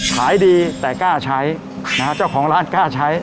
ขายดีแต่กล้าใช้นะฮะเจ้าของร้านกล้าใช้